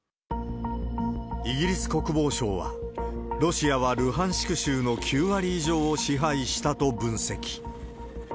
イギリス国防省は、ロシアはルハンシク州の９割以上を支配したと分析。